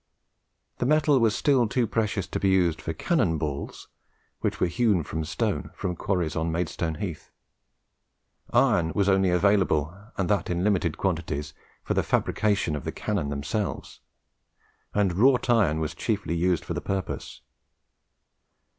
The metal was still too precious to be used for cannon balls, which were hewn of stone from quarries on Maidstone Heath. Iron was only available, and that in limited quantities, for the fabrication of the cannon themselves, and wrought iron was chiefly used for the purpose.